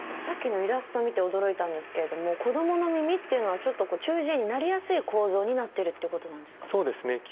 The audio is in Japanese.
さっきのイラスト見て驚いたんですけれども子どもの耳っていうのはちょっとこう中耳炎になりやすい構造になってるっていうことなんですか？